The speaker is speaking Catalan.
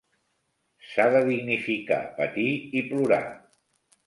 S'ha de dignificar, patir i plorar.